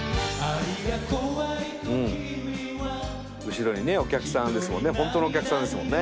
後ろにねお客さんですもんね。